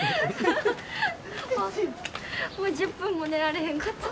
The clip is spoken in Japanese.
もう１０分も寝られへんかった。